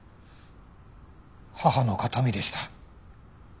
母の形見でした。